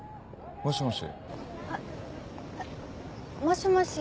もしもし。